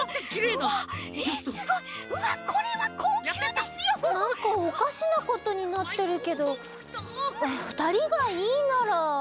なんかおかしなことになってるけどおふたりがいいなら。